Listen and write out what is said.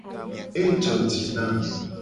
Ejo ji nam.